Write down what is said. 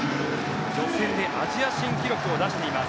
予選でアジア新記録を出しています。